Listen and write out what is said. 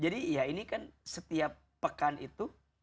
jadi ya ini kan setiap pekan itu